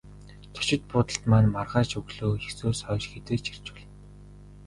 Зочид буудалд маань маргааш өглөө есөөс хойш хэзээ ч ирж болно.